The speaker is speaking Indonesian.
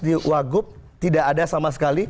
diwagub tidak ada sama sekali